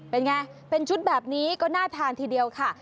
เป็นไงเป็นชุดแบบนี้ก็น่าทานทีเดียวค่ะ